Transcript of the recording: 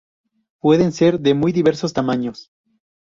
Pueden ser de muy diversos tamaños.